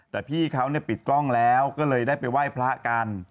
แต่พี่เขาปิดกล้องแล้วก็เลยได้ไปไหว้พระกัน